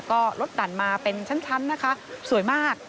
ก็รถดั่นมาเป็นชั้นนะคะสวยมาก